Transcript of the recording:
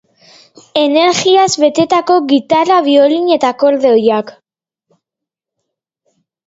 Energiaz betetako gitarra, biolin eta akordeoiak.